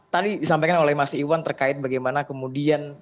tadi disampaikan oleh mas iwan terkait bagaimana kemudian